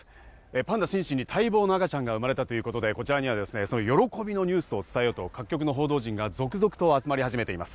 パンダ、シンシンに待望の赤ちゃんが生まれたということで、喜びのニュースを伝えようと各局の報道陣が続々と集まり始めています。